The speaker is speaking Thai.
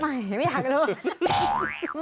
ไม่ไม่อยากรู้